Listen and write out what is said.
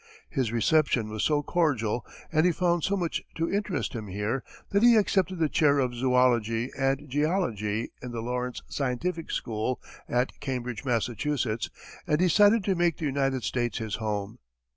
His reception was so cordial and he found so much to interest him here, that he accepted the chair of zoology and geology in the Lawrence Scientific School at Cambridge, Massachusetts, and decided to make the United States his home.